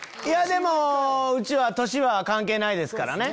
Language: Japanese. でもうちは年は関係ないから。